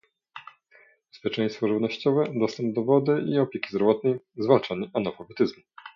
bezpieczeństwo żywnościowe, dostęp do wody i opieki zdrowotnej, zwalczanie analfabetyzmu